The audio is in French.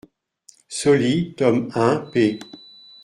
Sauli, tome un, p.